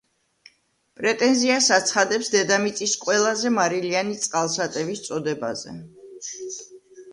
პრეტენზიას აცხადებს დედამიწის ყველაზე მარილიანი წყალსატევის წოდებაზე.